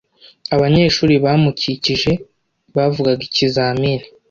Abanyeshuri bamukikije bavugaga ikizamini.